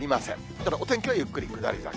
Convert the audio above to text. ただ天気はゆっくり下り坂。